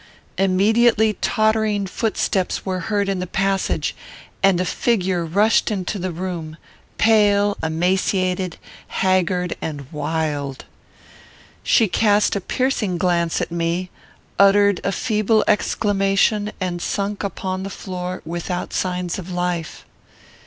Immediately tottering footsteps were heard in the passage, and a figure rushed into the room, pale, emaciated, haggard, and wild. She cast a piercing glance at me, uttered a feeble exclamation, and sunk upon the floor without signs of life.